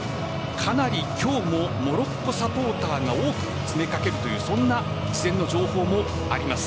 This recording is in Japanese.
かなり今日もモロッコサポーターが多く詰めかけるというそんな事前の情報もあります。